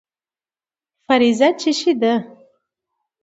فرضیه څه شی دی؟